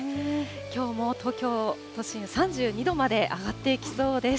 きょうも東京都心３２度まで上がっていきそうです。